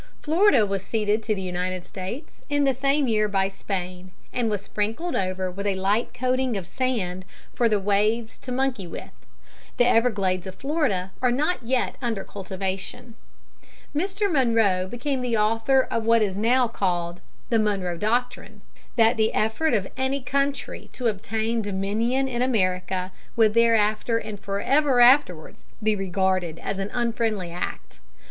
Florida was ceded to the United States in the same year by Spain, and was sprinkled over with a light coating of sand for the waves to monkey with. The Everglades of Florida are not yet under cultivation. Mr. Monroe became the author of what is now called the "Monroe doctrine," viz., that the effort of any foreign country to obtain dominion in America would thereafter and forever afterwards be regarded as an unfriendly act.